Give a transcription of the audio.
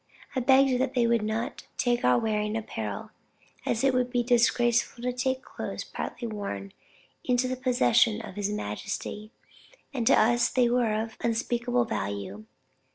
I begged they would not take our wearing apparel, as it would be disgraceful to take clothes partly worn into the possession of his majesty, and to us they were of unspeakable value.